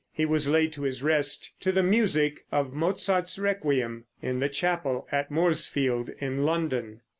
He was laid to his rest, to the music of Mozart's Requiem, in the chapel at Moorsfields in London.